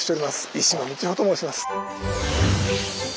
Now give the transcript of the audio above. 石埜三千穂と申します。